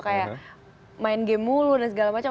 kayak main game mulu dan segala macam